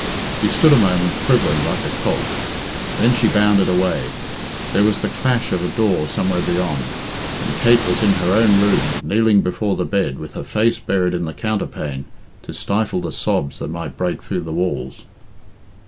She stood a moment quivering like a colt, then she bounded away; there was the clash of a door somewhere beyond, and Kate was in her own room, kneeling before the bed with her face buried in the counterpane to stifle the sobs that might break through the walls.